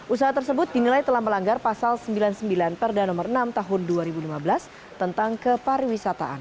usaha tersebut dinilai telah melanggar pasal sembilan puluh sembilan perda nomor enam tahun dua ribu lima belas tentang kepariwisataan